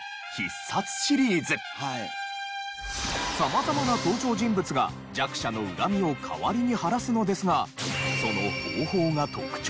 様々な登場人物が弱者の恨みを代わりに晴らすのですがその方法が特徴的で例えば。